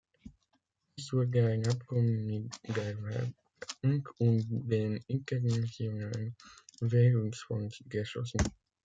Es wurde ein Abkommen mit der Weltbank und dem Internationalen Währungsfonds geschlossen.